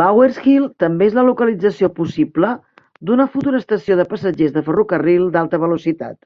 Bower's Hill també és la localització possible d'una futura estació de passatgers de ferrocarril d'alta velocitat.